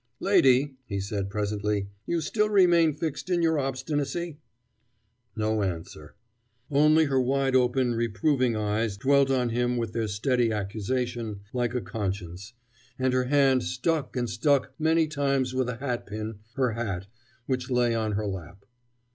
"Lady," he said presently, "you still remain fixed in your obstinacy?" No answer: only her wide open reproving eyes dwelt on him with their steady accusation like a conscience, and her hand stuck and stuck many times with a hat pin her hat which lay on her lap.